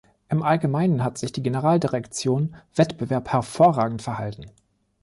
Im Allgemeinen hat sich die Generaldirektion Wettbewerb hervorragend verhalten.